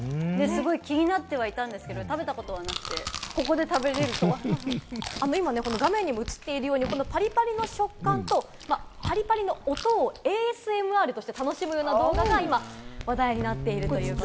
気になっていたんですけれども、食べてはなくて、ここで食べられ今、画面にも映っているようにパリパリの食感とパリパリの音をＡＳＭＲとして楽しむような動画が今、話題になっているんです。